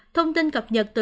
thông tin cập nhật